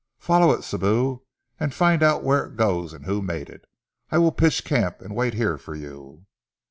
"Follow it, Sibou, and find out where it goes and who made it. I will pitch camp and wait here for you."